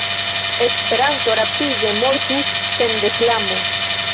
Esperanto rapide mortus sen reklamo!